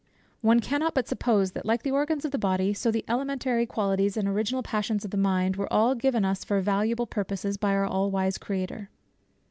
One cannot but suppose that like the organs of the body, so the elementary qualities and original passions of the mind were all given us for valuable purposes by our all wise Creator.